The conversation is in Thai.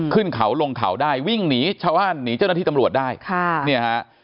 ขึ้นเขาลงเข่าได้วิ่งหนีชาวอ้านหนีเจ้าหน้าที่ตำรวจได้